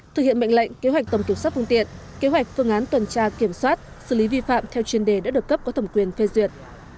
thực hiện mệnh lệnh kế hoạch tổng kiểm soát phương tiện kế hoạch phương án tuần tra kiểm soát xử lý vi phạm theo chuyên đề đã được cấp có thẩm quyền phê duyệt